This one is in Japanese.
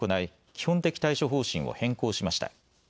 基本的対処方針を変更しました。